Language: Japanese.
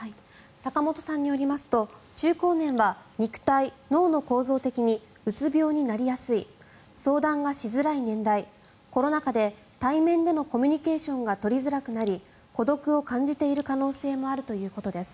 坂元さんによりますと中高年は肉体、脳の構造的にうつ病になりやすい相談がしづらい年代コロナ禍で対面でのコミュニケーションが取りづらくなり孤独を感じている可能性もあるということです。